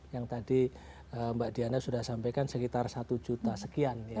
yang tadi mbak diana sudah sampaikan sekitar satu juta sekian ya